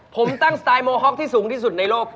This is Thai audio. ผมตั้งสไตล์โมฮ็อกที่สูงที่สุดในโลก